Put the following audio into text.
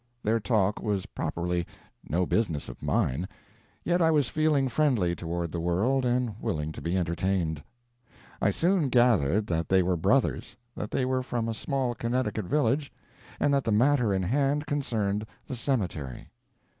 Their talk was properly no business of mine, yet I was feeling friendly toward the world and willing to be entertained. I soon gathered that they were brothers, that they were from a small Connecticut village, and that the matter in hand concerned the cemetery.